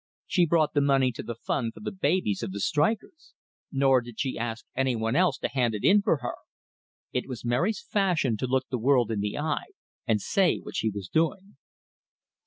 She brought the money to the fund for the babies of the strikers; nor did she ask anyone else to hand it in for her. It was Mary's fashion to look the world in the eye and say what she was doing.